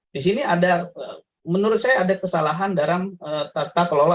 disini ada menurut saya ada kesalahan dalam tata kelola atau pengelolaan dari sumber daya air